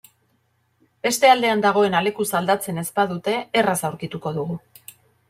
Beste aldean dagoena lekuz aldatzen ez badute erraz aurkituko dugu.